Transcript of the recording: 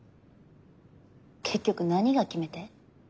結局何が決め手？